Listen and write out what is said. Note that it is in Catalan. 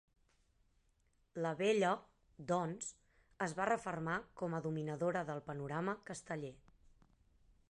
La Vella, doncs, es va refermar com a dominadora del panorama casteller.